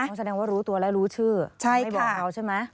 ต้องแสดงว่ารู้ตัวและรู้ชื่อไม่บอกเขาใช่ไหมใช่ค่ะ